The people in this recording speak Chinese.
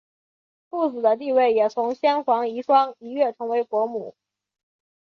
富子的地位也从先皇遗孀一跃成为国母。